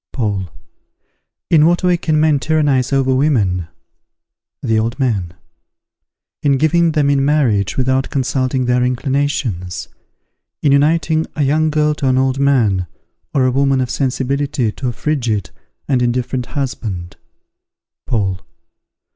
Paul. In what way can men tyrannize over women? The Old Man. In giving them in marriage without consulting their inclinations; in uniting a young girl to an old man, or a woman of sensibility to a frigid and indifferent husband. _Paul.